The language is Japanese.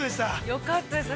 ◆よかったです。